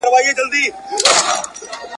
ماته راوړه په ګېډیو کي رنګونه `